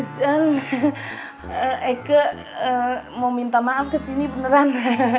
jun eike mau minta maaf kesini beneran